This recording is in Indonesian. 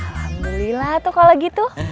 alhamdulillah tuh kalau gitu